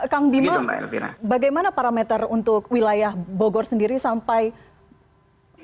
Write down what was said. kang bima bagaimana parameter untuk wilayah bogor sendiri sampai